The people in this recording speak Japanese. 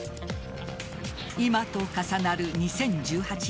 今と重なる２０１８年。